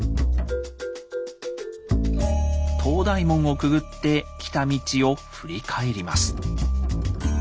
東大門をくぐって来た道を振り返ります。